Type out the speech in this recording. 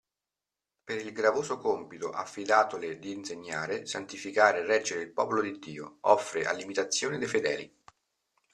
Per il gravoso compito affidatole di insegnare, santificare e reggere il Popolo di Dio, offre all'imitazione dei fedeli.